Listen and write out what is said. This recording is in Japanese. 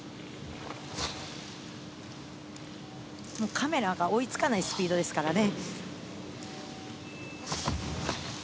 カメラが追いつかないスピードですからね。